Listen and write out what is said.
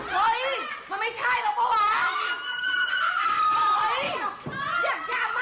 เฮ้ยมันไม่ใช่เหรอเปล่าวะ